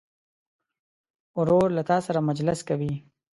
ورور له تا سره مجلس کوي.